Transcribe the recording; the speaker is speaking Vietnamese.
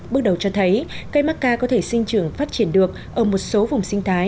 bước đầu cho thấy cây macca có thể sinh trưởng phát triển được ở một số vùng sinh thái